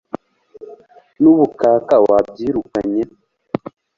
n'ubukaka wabyirukanye